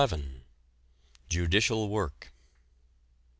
JUDICIAL WORK.